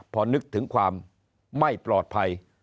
พอนึกถึงความไม่ปลอดภัย